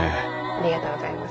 ありがとうございます。